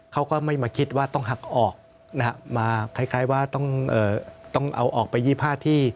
เขาก็ไม่มาคิดว่าต้องหักออกมาคล้ายว่าต้องเอาออกไป๒๕ที่